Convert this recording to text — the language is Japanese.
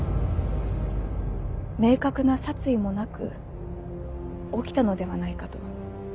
明確な殺意もなく起きたのではないかと。